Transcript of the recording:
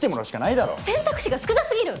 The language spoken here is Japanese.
選択肢が少なすぎる！